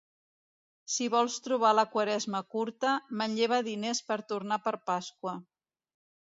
Si vols trobar la Quaresma curta, manlleva diners per tornar per Pasqua.